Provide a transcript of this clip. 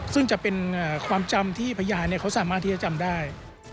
ซึ่งจะเป็นความจำที่พยานเขาสามารถที่จะจำได้